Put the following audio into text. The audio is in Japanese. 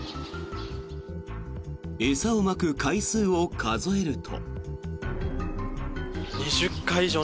餌をまく回数を数えると。